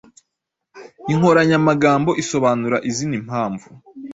Inkoranya magambo isobanura izina "impamvu"